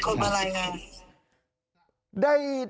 ก็เลี่ยงข้าวเขามันผิดตรงไหน